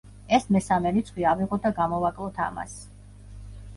ეს მესამე რიცხვი ავიღოთ და გამოვაკლოთ ამას.